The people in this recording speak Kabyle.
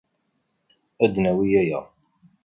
Ad d-nawi aya.